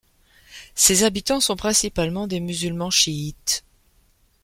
Ses habitants sont principalement des musulmans chiites.